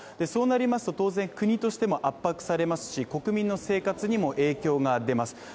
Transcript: そうなりますと当然国としても圧迫されますし、国民の生活にも影響が出ます。